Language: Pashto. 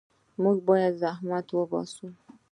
موږ باید زحمت وباسو.